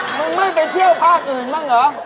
มึงไม่ง่ว่าไปเที่ยวภาพอื่นหรือ